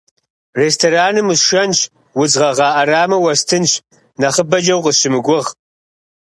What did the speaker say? Рестораным усшэнщ, удз гъэгъа ӏэрамэ уэстынщ, нэхъыбэкӏэ укъысщымыгугъ.